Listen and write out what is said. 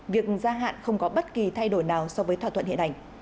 việc gia hạn không có bất kỳ thay đổi nào so với thỏa thuận hiện nay